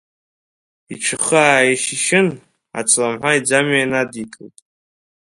Иҽы ахы аа-ишьышьын, ацламҳәа иӡамҩа надикылт.